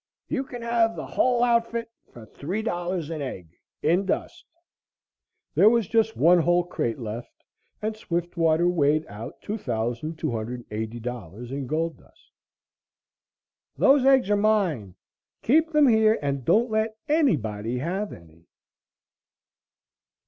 You can have the hull outfit for three dollars an egg, in dust." There was just one whole crate left, and Swiftwater weighed out $2,280 in gold dust. "Those eggs are mine keep them here and don't let anybody have any."